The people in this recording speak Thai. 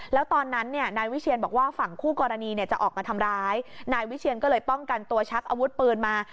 แล้วตอนนั้นเนี่ยนายวิเชียนบอกว่าฝั่งคู่กรณีเนี่ยจะออกมาทำร้ายนายวิเชียนก็เลยป้องกันตัวชักอาวุธปืนมา